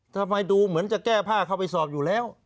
ทำไมดูเหมือนจะแก้ผ้าเข้าไปสอบอยู่แล้ว